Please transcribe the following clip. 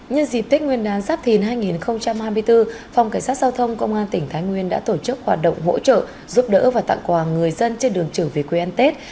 nhân dịp tết nguyên đán giáp thìn hai nghìn hai mươi bốn phòng cảnh sát giao thông công an tỉnh thái nguyên đã tổ chức hoạt động hỗ trợ giúp đỡ và tặng quà người dân trên đường trở về quê ăn tết